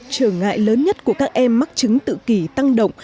trở ngại lớn nhất của các em mắc chứng tự kỷ tăng động